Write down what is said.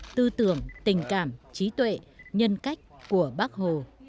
tư tưởng tình cảm trí tuệ nhân cách của bác hồ